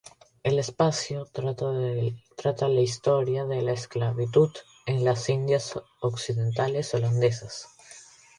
El espacio trata la historia de la esclavitud en las Indias Occidentales holandesas.